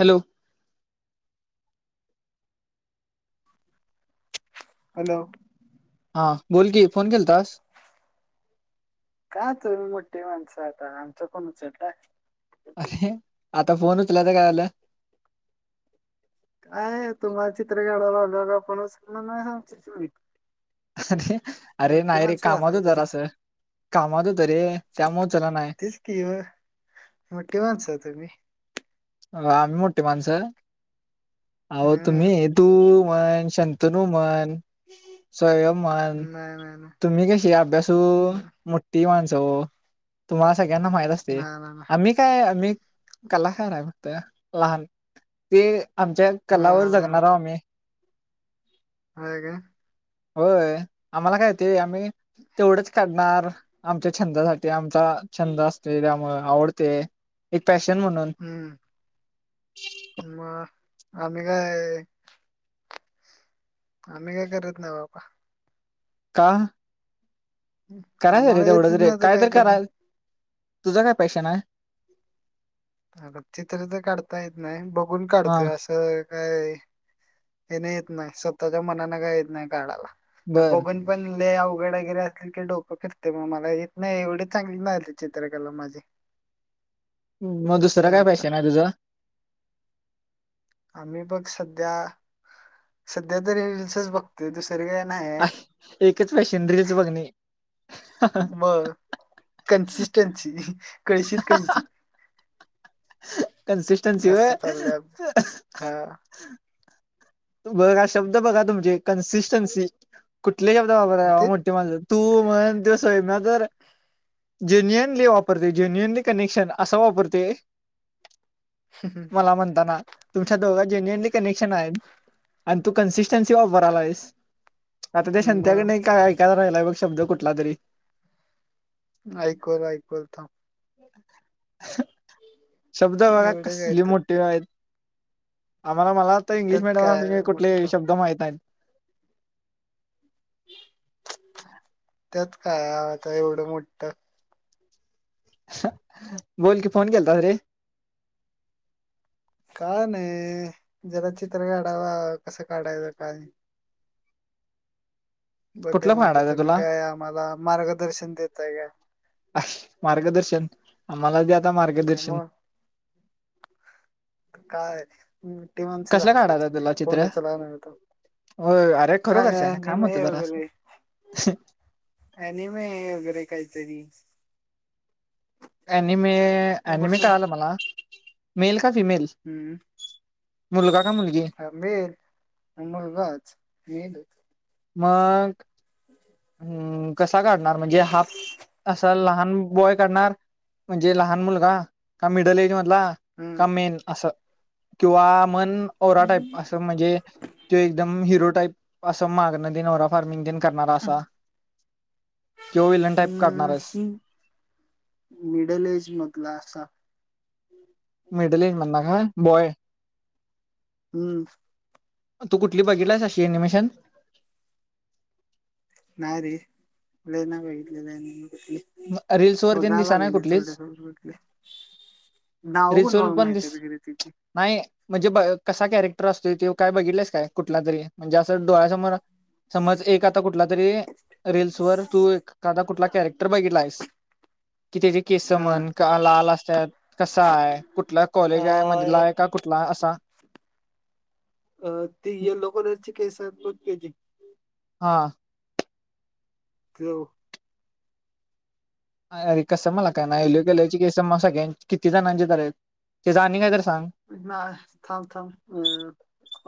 Hello hello हा बोल की फोन केल तस काय तुम्ही मोठी माणसं आता आमचा कोण उचडला अरे आता फोन उचलाता कायला काय तुम्हाला चित्र काढायला लागग आपणलना नाही सांग अरे अरे नाही रे कामात तुम्ही जरास कामाात त रे त्यामुळे चला ना म्हटठी माणच तु मी अ आम्ही मोठी माणसं आह हम्म तुम्ही तू श तनुमान स्वयंण नाही नाही नाही तुम्ही कशी अभ्यासू मुठठी माणस सो तुम्हाला सगळ्यांना माहित असते नाही नाही नाही आम्ही काय आहे आम्ही कलाकार आहे लहान ते आमच्या कलावर जगणार आह आम्ही ह का होय आम्हाला कायती आम्ही तेवढंच काढणार आमच्या छंदासाठी आम छंद असतेिमु आवडते पॅशन म्हणून हम्म मग आम्ही काय आम्ही काय करीत ना बापा का कराच रे आम्हाला तेवढं येतच त रे नाही तर काय कायतरी करू करा तुझं काय पॅशन आहे अ चित्र तर काढता येत नाही बघून हा काढतोय असं काय हे नाही येत नाही स्वतःच्या मनाने काय येत नाही काढाला नम बर बघन पण अवघड वगैरे असल की डोपं फिते मग मला येत नाही एवढी चांगली नाही चित्रकला माझी [inaudible] मग असं दुसरं आहे काय आमचं पैसे ना तुझ आम्ही बघ सध्या सध्या तरी रीलसच बघते एकच बा शेंद्रीच बघ नाही मग कन्सिस्टन्सी कळशीत कळशी कनसिस्टनसी असं चाललंय आमचं ह हा बघा शब्द बघा तुमचे कन्सिस्टन्सी कुठ कि घेता बाबर ते मोठठी माण तू म्हणून त सोयम ना तर जेन्युअनली वापरते जेन्युअनली कनेक्शन असा वापरते. मला म्हणताना तुमच्या दोघ जेन्युनली कनेक्शन आहेत. आणि तू कन्सिस्टन्सी वापराला आहेस आता ते सते्याकड मग काय ऐकाय राहिलाय बघ शब्द कुठला तरी ऐकवलं ऐकवलं थांब. शब्द बघा एवढं काय कसली त्यात मोठी आहेत. आम्हाला मला आता इंग्लिश त्यात काय मीडियमून कुठले मोठं शब्द माहित नाहीत. त्यात काय आता एवढं मोठं बोल की फोन केलता रे काय नाही जरा चित्र काढावा कसं काढायचं का नाही बघ कुठलं का म्हणलं फाडायचं तुम्ही तुला काय आम्हाला मार्गदर्शन देत जा की आणि अ मार्गदर्शन आम्हाला दे आता काय मार्गदर्शन मग काय मोटी माणस कसलं झालाय रे तुम्ही फोन उचलण आता हो अरे खरोखर च्या ना काम होतं जरा हह ऐनी मे वगैरे काहीतरी अनिमे मग अनिमे बसून काय आलं मला मेल का फिमेल हम्म मुलगा का मुलगी हा मेल अन मुलगाच. मग हम् कसा काढणार म्हणजे हाफ असा ल लहान बॉय काढणार म्हणजे लहान मुलगा का मिडल एज म ला हम्म का मेन असं किंवा मन फोरा टाईप अस म्हणजे त एकदम हिरो टाईप अस मागण दे नवरा फार्मिंग करणारा असा तो विलन टाईप काढणार आहेस. हम्म मिडल एज मधला असा मिडल एज म्हणणा का बॉय हम्म तू कुठली बघितलास अशी एनिमेशन नाय रे लय नाही बगीतली रील्स वर तेन बघा दिसा नाही लगलोय थोड कुठलीच थोड भटले. रील्स नावगून वर न पण दिस माहिती ब गर तची नाही म्हणजे ब कसा कॅरेक्टर असतोय ते काय बघितलेस काय कुठला तरी म्, हणजे असं डोळ्यासमोर समज एक आता कुठ? कुठ तरी रीलस वर तू एखादा कुठला कॅरेक्टर बघितला आहेस. कि त्याचे केस हा म्हण का लाल असतात कसा आहे कुठला कॉलेज आहे मधला अ आहे का कुठला? आसा अ ती येल्लो कलरची तो केजी हा. त्यो अरे कसं मला काय ना एल्यू केल्याची केस सगळ्यां किती जणांची तर त्या आणि कहीतर ना थांब थांब हुम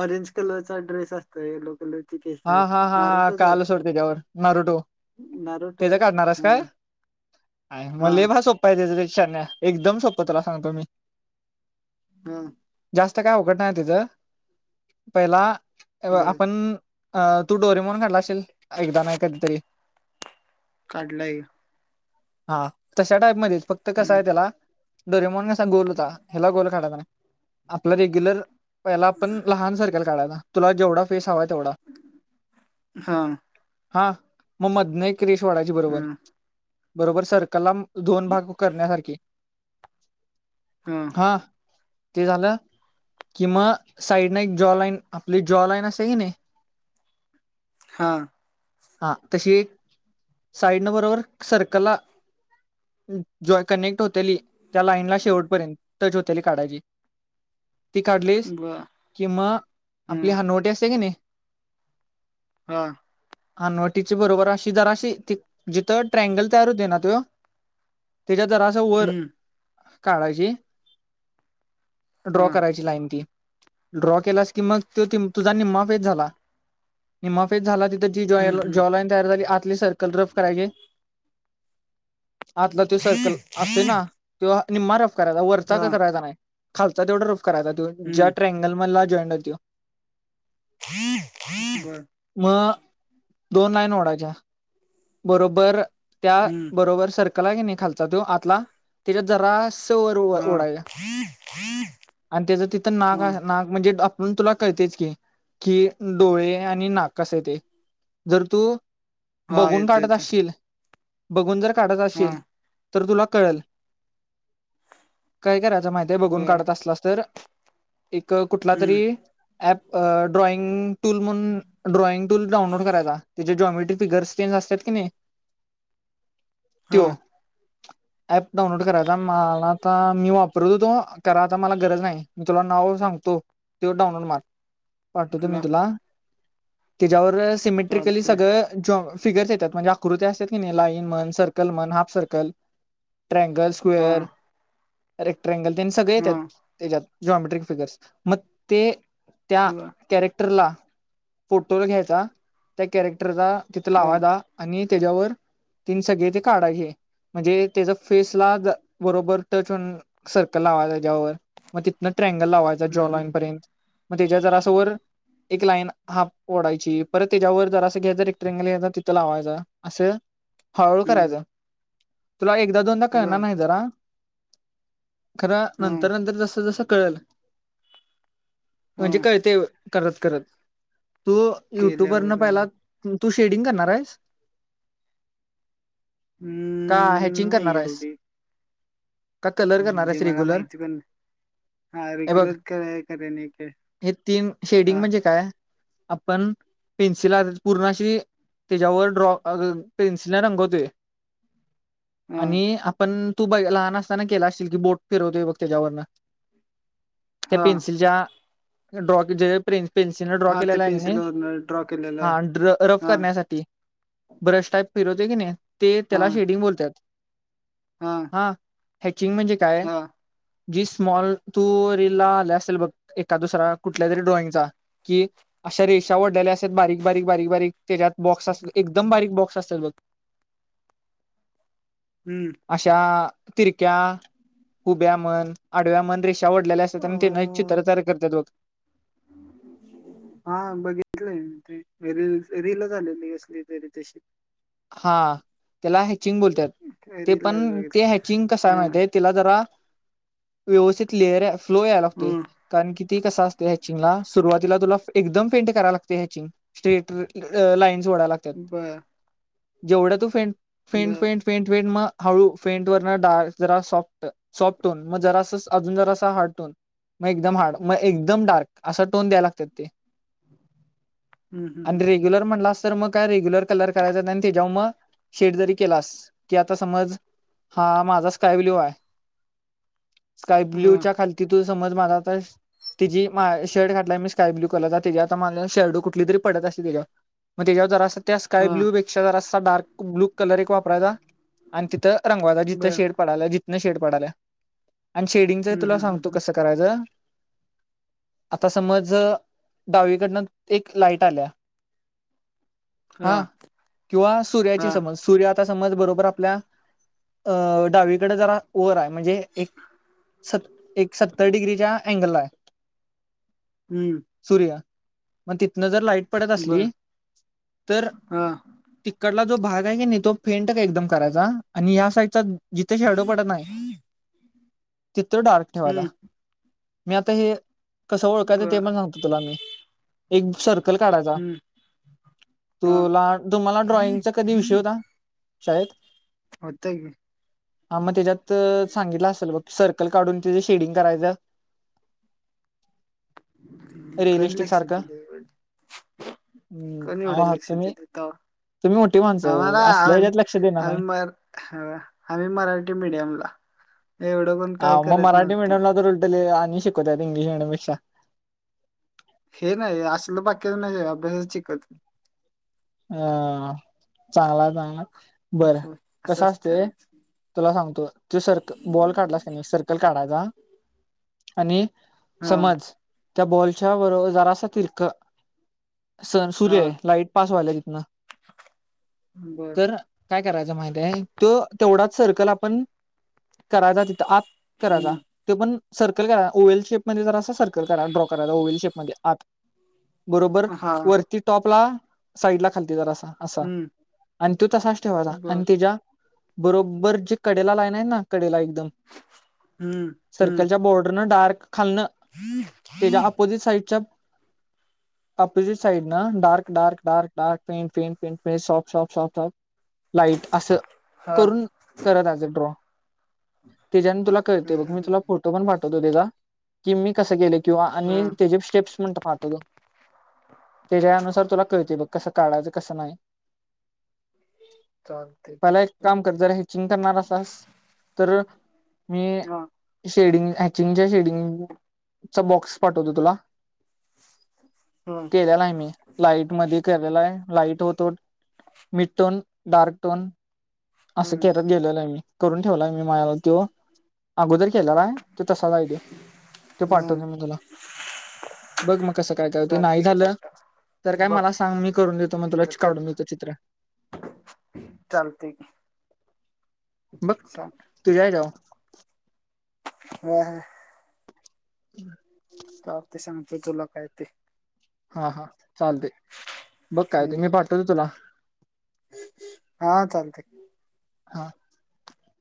ऑरेंज कलरचा ड्रेस असतोय येलो कलर हा हा हा हा कळाल सोड तेचा वर नरु टू नरोटो रे हा हाया मा हा बा सोप्पा आहे त्याच शान्या एकदम सोपं तला सांगतो मी हा जास्त काय आवगड पहिला त्याच पहिला ब आपण अ तू डोरी म्हणून काढला असेल एकदा नाही कधीतरी काढलाय हा तशा टाईप मध्येच फक्त कसा हम्म, आहे त्याला डोरेमॉन कसा गोल होता ह्याला गोल आपल रेगुलर पाहिला आपण लाहान स काडायला तुला जेवडा फेस हवा तेवढा हा हा मग मधने एकरेश ओढयची हा बरोबर बरोबर सर्कलला दोन भाग करण्यासारखी हा ते झालं किंवा साईड ना एक जॉ लाईन आपली जॉ लाईन असे की ने हा हा तशी एक साईड न बरोबर सर्कला ज कनेक्ट होते त्या लाईन ला शेवटपर्यंत टच होते काढाची ती काढलीस ब कि मग आपली हम्म हानवटी असते की ने हा हनवटीची बरोबर अशी जराशी जिथं ट्रॅगल तयार होते ना तो त्यांच्या जरा असं वर हम्म काढायची ड्रॉ हा करायची लाईन ती ड्रॉ केलास की मग तो तुझा निमा फेस झाला निमा फेस झाला तिथं जी ज हम्म हम्म जॉलाईन तयार झाली आ कली सर्कल रफ करायचे आतला तो सर्कल असते ना त निम्मारफ करायचा वरचा हा का करायचा नाही खालचा तेवढा रूफ करायचा त ज्या हम्म ट्रॅंगल मधला जॉईंट हो तो बर मग दोन लाईन ओढायच्या बरोबर त्या हम्म बरोबर सर्कल क नाही खालचा तो आतला त्यांच्यात जरा स हा ओढ्याच्या आणि त्याच तिथं नाग हा नाग म्हणजे म्हणून तुला कळतेच की कि डोळे आणि नाक कसे ते जर तू हा बघून येत काढत येत असशील बघून जर काढत हा असशील तर तुला कळेल काय करायचं माहिती आहे बघून बर काढत असलास तर एक कुठला तरी हम्म ॲप ड्रॉइंग टूल म्हणून ड्रॉइंग टूल डाउनलोड करायचा त्याचे जॉमेट्री फिगर्स चेंज असतात कि ने हा तो ऍप डाउनलोड करायचा मला आता मी वापरत हो तो करा आता मला गरज नाही मी तुला नाव सांगतो तेव्हा डाउनलोड मार कुठला त्यांच्यावर सिमेट्रिकली चालतय सगळं जो फिगर्स येतात म्हणजे आकृत्या असतात की नाही लाईन मण सर्कल म्हण हाफ सर्कल ट्रँगल हा स्क्वेअर रेक्ट्रॅगल त्यांनी सगळे येतात हा त्यांच्यात जमेट्रिक फिगर्स मग ते त्या ब कॅरेक्ट कॅरेक्टरचा फोटो घ्यायचा त्या कॅरेक्टरचा तिथ हा लावयचा आणि त्यांच्यावर तिने सगळे ते काढायचे म्हणजे त्याचा फेस ला बरोबर टच होऊन सर्कल लावा मग तिथ ट्रँगल लाय हम्म जन हम्म पर्यंत मग त्यांच्या जरा एक लाईन हाफ ओढायची परत त्यांच्यावर जर असं घ्यायचं तर रेक्टरेंगल तिथं लावायच असे हळूहळू हम्म करायचं तुला एकदा दोनदा कळणार बर नाही जरा खरा हा नंतर नंतर जस जस कळले हा म्हणजे कळते करत करत तू युट्युब वरन केल्यावर हा. पहिला तू शेडिंग करणार आहेस का हम्म हॅचिंग नाही करणार आहेस एवढी का कलर करणार म्हणजे मला रेगुलर माहिती पण नाही. हा रेग्युलच करा करे नक हे तीन शेडिंग म्हणजे काय आपण पेन्सिल पूर्णशी त्यांच्यावर ड्रॉ पेन्सिलला रंगवतो हा आणि आपण तू ब लहान असताना केला असेल की बोट फिरवते बघ त्याच्यावरून त्या हा पेन्सिलच्या ड्रॉंग ज प्रेन्सिन पेन्सिलने ड्रॉ हा ते केलेला आहे की नाही पेन्सिलवर ड्रॉ हा केलेलं रफ हा करण्यासाठी. ब्रश टाईप फिरवते की नाही ते हा त्याला शेडिंग बोलतात. हा िंग म्हणजे काय हा जी स्मॉल तू रील ला आला असेल बघ एका दुसरा कुठल्या तरी ड्रॉइंगचा की अशा रेषा वड्याल्या असतात बारीक बारीक बारीक बारीक त्याच्यात बॉक्स... एकदम बारीक बॉक्स असतात बघ. हम्म अशा तिरक्या हुब्या म्हन आडव्या म्हण रे... आवडलेले असतात आणि ते नची अ तरतर करतातो. [inaudible] हा बघितलंय मी ते रील रीलच आलेली कसली तरी तशी. हा त्याला हे... चिंग बोलतंय ते रीललाच पण ते बघितलं हचिंग कसा आहे ह माहि तिला जरा. व्यवस्थित लेअर फ्लो यायलागतोय ह कारणकी ते कसा असते हॅचिंग ला. सुरुवातीला तुला एकदम पेंट करायला लागतेिंग स्ट्रेट लाईन. बर जेवळ तु फेन...... बर म. हळू फेंट वर न डार्क जरा सॉफ्ट सॉफ्ट होऊन मग जरा अजून जरा हारड्ट होन. मग एकदम हार्ड मग एकदम डार्क असा टोन द्याय लागतात ते. हम्म हम्म आणि हम्म रेग्युलर म्हटला अस तर मग काय रेग्युलर कलर करायचा. जेव म शेडजरी केलास की आता समज. हा माझा स्काय ब्ल्यू आहे स्काय ह ब्ल्यू च्या खालती तू समज मला आ तिझी शर्ट घातला मी. स्काय ब्लू कलरचा त्याच्यावर शेडू कुठली तरी पळत असते त्याच्यावर मग त्याच्यावर जरासा त्या हा स्काय हा ब्लू. त्याला असा डार्क ब्लू कलर एक वापरायचं आणि तिथ रंगवाचा जिथ बर शेड पडलाय.. न शेड पडाला आणि शेडिंगच हम्म हम्म तुला हम्म सांगतो हम्म. कसं करायचं. आता समज डावीकडनं एक लाईट आल्या.. [inaudible] ह क सूर्याची समज सूर्य आता समज बरोबर आपल्या डावीकडे जरा वर आहे. म्हणजे एक सत्तर डिग्रीच्या अँगला आहे. हम्म सूर्य मग तिथंन जर लाईट. पडत बर असली तर. हा तिकडला जो भाग आहे की नाही तो फेंट का एकदम करायचा आणि या साइडचा. जिथं शॅडो पडत नाहीं तिथे डार्क ठेवाचा हम्म मी आता हे. कसं ओळखायचं ते बर पण सांगतो तुला मी एक सर्कल काढायचा हम्म तु हा लाहान. तुम्हाला ड्रॉईंगाचा कधी विषय होता शाळेत. होत की दिली. हा मग त्याच्यात सांगितलं असेल बघ सर्कल काढून त्याचं शेडिंग करायच. [inaudible] कोण रिअलिस्टिक लक्ष सारखं दिले हम् कोण एवढं आहात लक्ष तुम्ही. दिले तवा तुम्ही. मोठी माणसं हो, आम्हाला आ असल्या ह्याच्यात लक्ष देणार आम्ही नाही मर मराठी मीडियमला. [inaudible] एवढं पण हा काय मग करत मराठी नव्हती मिडियमला तर उलट लिहिलं आणि शिकवतात इंग्लिश मिडियमपेक्षा. हे नाही असल बाकी्याच नाही अभ्यासच शिकत. अ चांगला चांगला. बरं अस कसं असतं. असते तुला सांगतो तु सर्क बॉल काढलासकी नाही सर्कल काढायचा. आणि हा समज त्या बॉलच्या बरोर जरासा तिर्क. सण हा सूर्य लाईट पास. तथ बर तर काय करायचं माहितीय तो तेवढाच सर्कल आपण करायचा तिथं आत करायचा हम्म ते पण सर्कल करा ओवेल शेप मध्ये जर असा सर्कल करा ड्रॉ करायला ओवेल शेपमध्येध्ये आत बरोबर हा वरती टॉप ला साईड ला खालती ज अस असं हम्म आणि तू त साच ठेवाचा आणि बर ति ज्या बरोबर जे कडेला लाईन आहे ना कडेला हम्म हम्म सर्कल चा भोर्डरारक खल्न त्याच्या ऑपोजिट साइडच्या अपोजिट साईड ना डार्क ार्क ार्कार्क पॉफ्टॉफ्ट सॉफ्टॉफ लाईट असं हा करून करत आजं ड्रॉ त्याच्याने तुला कळते हम्म बघ हम्म मी हम्म तुला फोटो पण पाठवतो ते का की मी कस गेले किंवा हा आणि त्या जे स्टेप्स म्हणत पाहतोतो त्याच्यानुसार तुला कळते बघ कस काढयचं कस नाही चालतंय की पला एक काम कर जरा हेचिंग करणार असस तर मी हा शेडिंग हॅचिंगच्या शेडिंगचा बॉक्स पाठवतो तुला हम्म केलेला आहे मी लाईट मध्ये केलेला आहे लाईट होतो मिड टोन डार्क टोन असं हम्म केत गेलेलं आहे मी ठेवला मी माझला तो अगोदर केलेला आहे त तसा जायड ते हम्म पाठवते मी तुला बघ मग कसं काय करयते नाही चालते की झालं पाठा तर काय बघ मला सांग मी करून देतो मग तुलाच परत कर काढून देतो चित्र चालते बघ सांग तू जाय जाव व ह हम् का ते सांगतेय तुला काय ते हा हा चालते बघ काय ते हम्म मी पाठतोते तुला हा चालते हा